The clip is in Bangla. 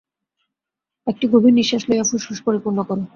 একটি গভীর নিঃশ্বাস লইয়া ফুসফুস পরিপূর্ণ কর।